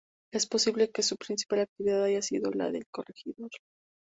Es posible que su principal actividad haya sido la de Corregidor.